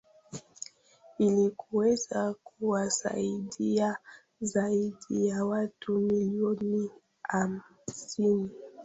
ili kuweza kuwasaidia zaidi ya watu milioni hamsini